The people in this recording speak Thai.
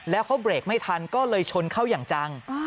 แล้วเขาเบรกไม่ทันก็เลยชนเข้าอย่างจัง